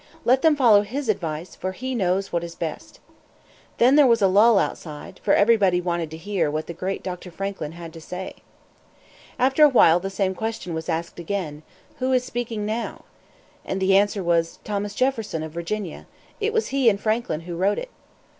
Let them follow his advice, for he knows what is best." Then there was a lull outside, for everybody wanted to hear what the great Dr. Franklin had to say. After a while the same question was asked again: "Who is speaking now?" And the answer was: "Thomas Jefferson of Virginia. It was he and Franklin who wrote it."